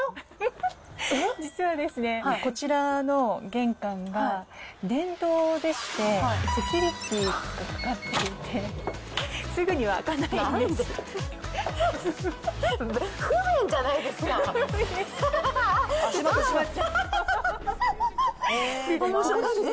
実はですね、こちらの玄関が電動でして、セキュリティーがかかっていて、すぐには開かないんです。